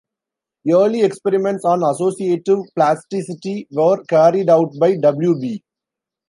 Early experiments on associative plasticity were carried out by W. B.